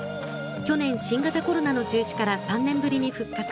去年、新型コロナの中止から３年ぶりに復活。